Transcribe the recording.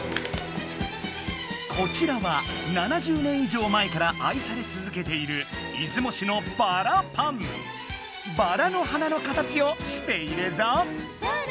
こちらは７０年いじょう前からあいされつづけているバラの花の形をしているぞ。